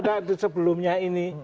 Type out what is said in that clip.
atau terlibat di sebelumnya ini